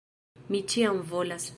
Mi ĉiam volas!